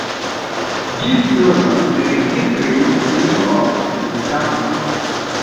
Ĝis nun registris pli ol ludantoj.